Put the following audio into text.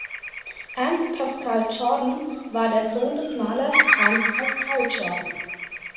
Ernst Pascual Jordan war der Sohn des Malers "Ernst Pasqual Jordan".